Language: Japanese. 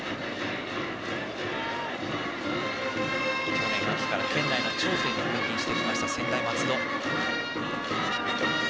去年秋から県内の頂点に君臨してきました専大松戸。